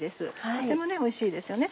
とてもおいしいですよね。